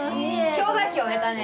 氷河期終えたね。